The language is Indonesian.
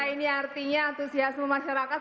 ini artinya antusiasme masyarakatnya